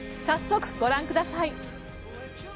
早速、ご覧ください。